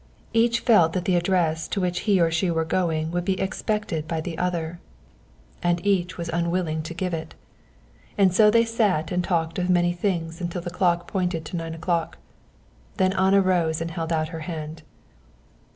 Each felt that the address to which he or she were going would be expected by the other, and each was unwilling to give it. And so they sat and talked of many things until the clock pointed to nine o'clock. Then Anna rose and held out her hand.